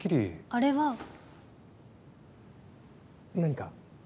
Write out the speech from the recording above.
あれは。何か？